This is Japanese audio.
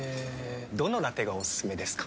どのラテがおすすめですか？